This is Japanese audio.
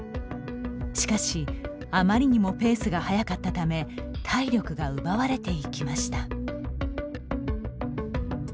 しかし、あまりにもペースが速かったため体力が奪われていきました。